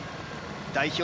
代表